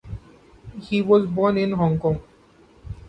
He was born in Hong Kong.